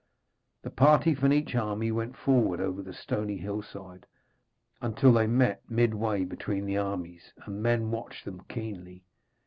The party from each army went forward over the stony hillside, until they met midway between the armies, and men watched them keenly.